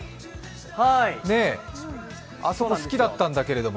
あそこ好きだったんだけど。